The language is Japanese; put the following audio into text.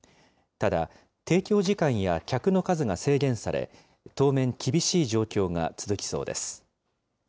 ただ、提供時間や客の数が制限され、当面、厳しい状況が続きそうです。